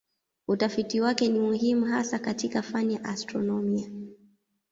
Utafiti wake ni muhimu hasa katika fani ya astronomia.